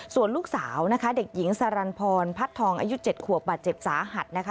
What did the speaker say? ส่วนลูกสาวนะคะเด็กหญิงสารันพรพัดทองอายุ๗ขวบบาดเจ็บสาหัสนะคะ